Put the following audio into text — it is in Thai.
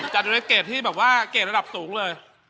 จะเป็นเกรดที่แบบว่าเกรดระดับสูงเลย